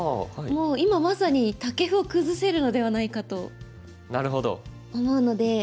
もう今まさにタケフを崩せるのではないかと思うので。